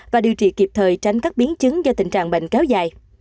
và điều trị kịp thời tránh các biến chứng do tình trạng bệnh kéo dài